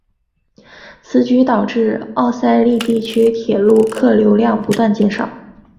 此举导致欧塞尔地区铁路客流量不断减少。